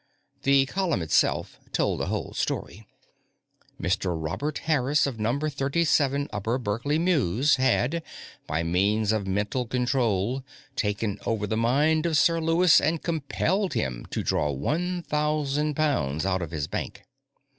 The column itself told the whole story. Mr. Robert Harris, of No. 37 Upper Berkeley Mews, had, by means of mental control, taken over the mind of Sir Lewis and compelled him to draw one thousand pounds out of his bank.